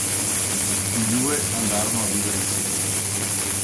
I due andarono a vivere insieme.